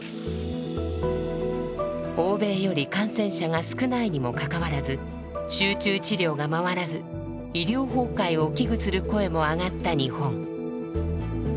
欧米より感染者が少ないにもかかわらず集中治療が回らず医療崩壊を危惧する声も上がった日本。